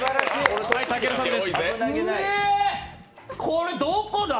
これどこだ？